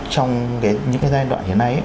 trong những cái giai đoạn như thế này